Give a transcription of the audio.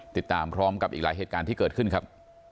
ติดตามพร้อมกับอีกหลายเหตุการณ์ที่เกิดขึ้นครับ